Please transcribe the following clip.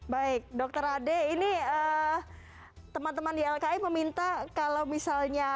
baik dokter ade ini teman teman ylki meminta kalau misalnya